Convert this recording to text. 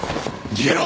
逃げろ！